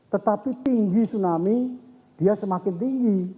tetapi tinggi tsunami dia semakin tinggi